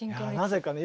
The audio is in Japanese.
なぜかね